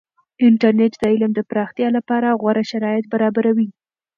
انټرنیټ د علم د پراختیا لپاره غوره شرایط برابروي.